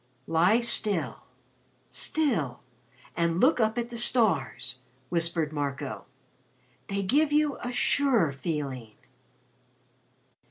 "Lie still still and look up at the stars," whispered Marco. "They give you a sure feeling."